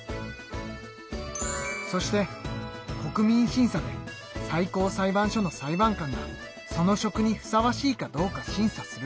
そして国民審査で最高裁判所の裁判官がその職にふさわしいかどうか審査する。